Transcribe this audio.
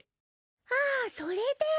ああそれで。